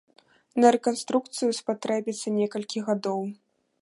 На рэканструкцыю спатрэбіцца некалькі гадоў.